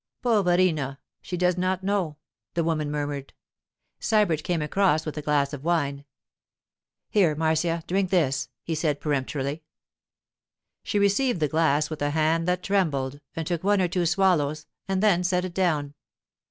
'Poverina, she does not know,' the woman murmured. Sybert came across with a glass of wine. 'Here, Marcia, drink this,' he said peremptorily. She received the glass with a hand that trembled, and took one or two swallows and then set it down.